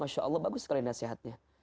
masya allah bagus sekali nasihatnya